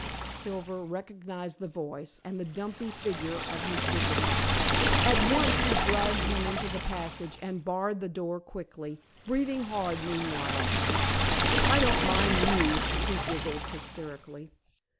Silver recognized the voice and the dumpy figure of his visitor. At once he dragged him into the passage and barred the door quickly, breathing hard meanwhile. "I don't mind you," he giggled, hysterically.